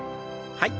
はい。